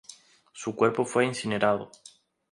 Su cuerpo fue incinerado.